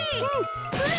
それ！